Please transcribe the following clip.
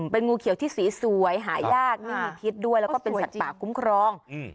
เป็นงูเขียวที่สีสวยหายากไม่มีพิษด้วยแล้วก็เป็นสัตว์ป่าคุ้มครอง